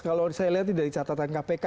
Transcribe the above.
kalau saya lihat dari catatan kpk